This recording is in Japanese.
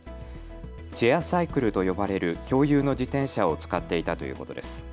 シェアサイクルと呼ばれる共有の自転車を使っていたということです。